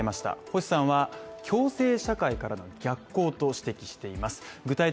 星さんは共生社会からの逆行と指摘しています